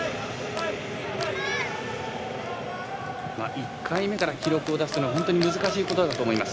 １回目から記録を出すのは本当に難しいことだと思います。